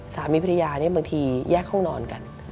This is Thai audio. สามีภรรยานี่บางทีแยกห้องนอนกัน